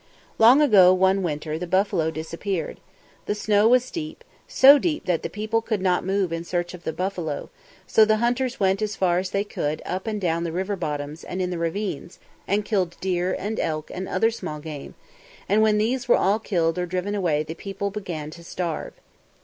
Long ago, one winter, the buffalo disappeared. The snow was deep, so deep that the people could not move in search of the buffalo; so the hunters went as far as they could up and down the river bottoms and in the ravines, and killed deer and elk and other small game, and when these were all killed or driven away the people began to starve.